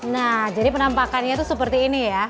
nah jadi penampakannya itu seperti ini ya